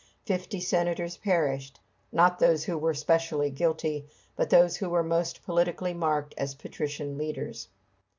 Fifty senators perished, not those who were specially guilty, but those who were most politically marked as patrician leaders.